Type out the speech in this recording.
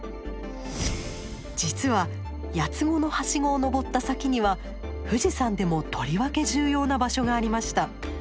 実は八子の梯子をのぼった先には富士山でもとりわけ重要な場所がありました。